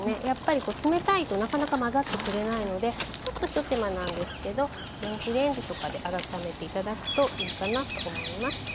やっぱりこう冷たいとなかなか混ざってくれないのでちょっと一手間なんですけど電子レンジとかで温めて頂くといいかなと思います。